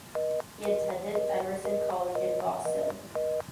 He attended Emerson College in Boston.